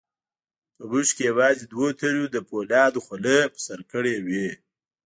په موږ کې یوازې دوو تنو د فولادو خولۍ په سر کړې وې.